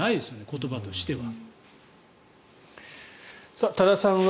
言葉としては。